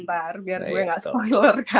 taruh biar enggak